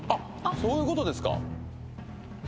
そういうことですか」